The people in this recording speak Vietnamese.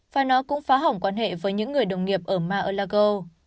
và nó cũng phá hỏng quan hệ với những người đồng nghiệp ở mar a lago